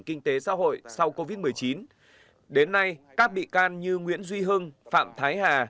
kinh tế xã hội sau covid một mươi chín đến nay các bị can như nguyễn duy hưng phạm thái hà